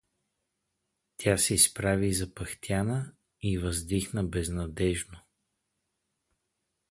Тя се изправи запъхтяна и въздъхна безнадеждно.